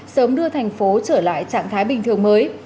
sớm đưa thành phố trở lại trạng thái bình thường mới